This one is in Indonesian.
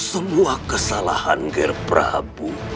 semua kesalahan ger prabu